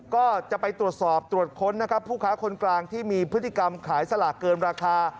ก็จะไปตรวจสอบตรวจค้นนะครับผู้ค้าคนกลางที่มีพฤติกรรมขายสลากเกินราคา